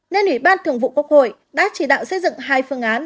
nên ủy ban thường vụ quốc hội đã chỉ đạo xây dựng hai phương án